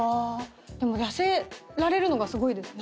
痩せられるのがすごいですね。